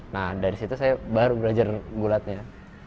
nah dari situ saya baru belajar bulatnya